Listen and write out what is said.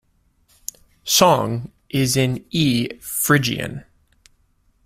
"Song" is in E phrygian.